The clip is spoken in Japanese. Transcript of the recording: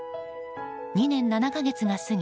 ２年７か月が過ぎ